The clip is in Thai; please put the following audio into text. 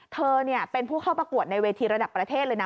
เธอเป็นผู้เข้าประกวดในเวทีระดับประเทศเลยนะ